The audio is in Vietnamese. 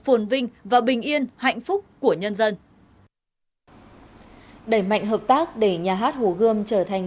phồn vinh và bình yên hạnh phúc của nhân dân đẩy mạnh hợp tác để nhà hát hồ gươm trở thành